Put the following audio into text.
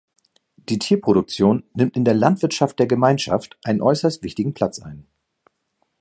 Die Tierproduktion nimmt in der Landwirtschaft der Gemeinschaft einen äußerst wichtigen Platz ein.